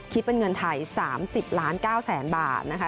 คิดเป็นเงินไทย๓๐ล้าน๙แสนบาทนะคะ